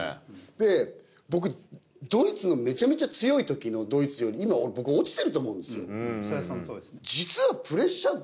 で僕めちゃめちゃ強いときのドイツより今落ちてると思うんですよ。